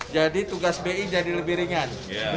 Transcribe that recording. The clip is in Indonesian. jadi tugas bi jadi lebih ringan